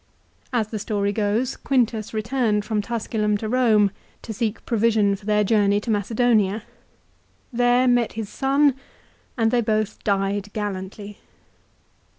As the story goes Quintus returned from Tusculum to Rome to seek provision for their journey to 294 LIFE OF CICERO. Macedonia ; there met his son, and they both died gallantly.